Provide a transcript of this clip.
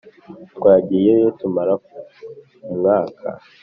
Twagiyeyo tumara umwaka